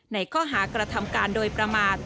ในข้อหากระทำการโดยประมาท